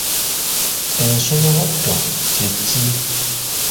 Ensolobotto kye ki?